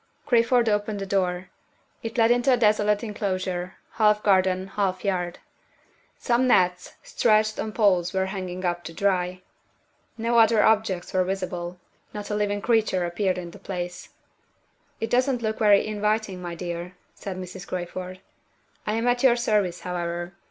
Crayford opened the door. It led into a desolate inclosure, half garden, half yard. Some nets stretched on poles were hanging up to dry. No other objects were visible not a living creature appeared in the place. "It doesn't look very inviting, my dear," said Mrs. Crayford. "I am at your service, however.